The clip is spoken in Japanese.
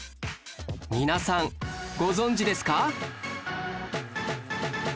皆さんご存じですか？